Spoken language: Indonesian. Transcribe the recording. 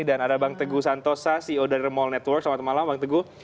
dan ada bang teguh santosa ceo dari the mall network selamat malam bang teguh